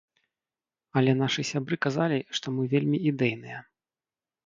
Але нашы сябры казалі, што мы вельмі ідэйныя.